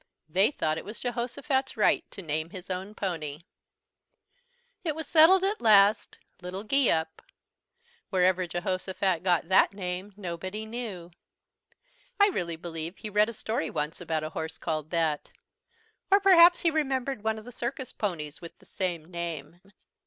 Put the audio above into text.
They thought it was Jehosophat's right to name his own pony. It was settled at last, "Little Geeup." Where ever Jehosophat got that name nobody knew. I really believe he read a story once about a horse called that. Or perhaps he remembered one of the circus ponies with the same name.